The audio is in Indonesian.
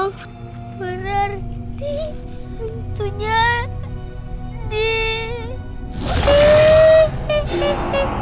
aku cek apa kita asas terhadap